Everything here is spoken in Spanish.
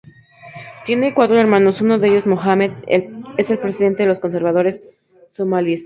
Tiene cuatro hermanos, uno de ellos, Mohamed, es el presidente de los conservadores somalíes.